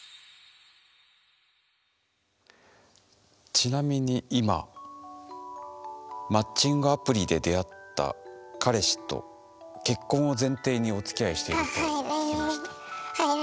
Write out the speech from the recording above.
ちなみに今マッチングアプリで出会った彼氏と結婚を前提におつきあいしていると聞きました。